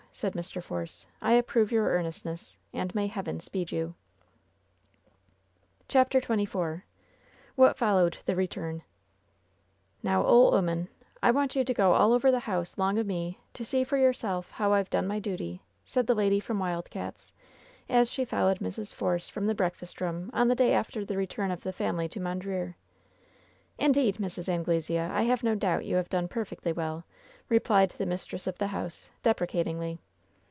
said Mr. Force. "I approve your earnestness, and may Heaven speed you.'' CHAPTER XXIV "WHAT FOLLOWED THE KETUBN '^Now, OLE 'oman, I want you to go all over the house 'long o' me, to see for yourself how I've done my duty," said the lady from Wild Cats', as she followed Mrs. Force from the breakfast room on the day after the return of the family to Mondreer. "Indeed, Mrs. Anglesea, I have no doubt you have done perfectly well," replied the mistress of the house, deprecatingly.